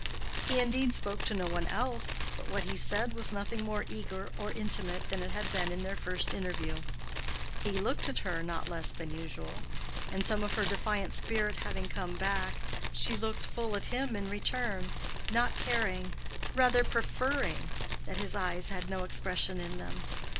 He indeed spoke to no one else, but what he said was nothing more eager or intimate than it had been in their first interview. He looked at her not less than usual; and some of her defiant spirit having come back, she looked full at him in return, not caring—rather preferring—that his eyes had no expression in them.